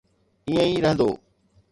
ائين ئي رهندو.